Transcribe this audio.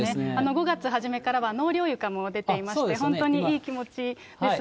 ５月初めからは納涼床も出ていまして、本当にいい気持ちです